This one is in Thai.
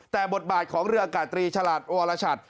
แต่บทบาทของเรืออากาศตรีฉลาดวรชัด